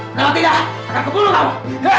kalau tidak aku akan bunuh kamu